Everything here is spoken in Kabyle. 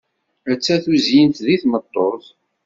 Atta tuzyint deg tmeṭṭut!